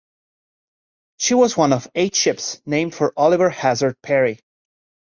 She was one of eight ships named for Oliver Hazard Perry.